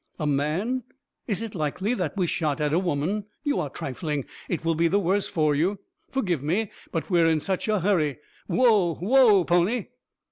"A man? Is it likely that we shot at a woman? You are trifling. It will be the worse for you. Forgive me but we are in such a hurry. Whoa! whoa! pony."